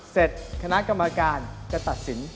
เสร็จคณะกรรมการจะตัดสิน